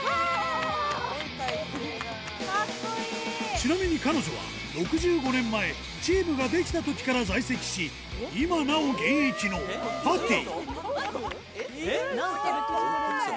ちなみに彼女は６５年前チームが出来たときから在籍し今なお現役のパティスゴい！